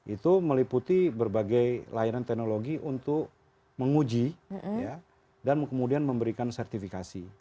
itu meliputi berbagai layanan teknologi untuk menguji dan kemudian memberikan sertifikasi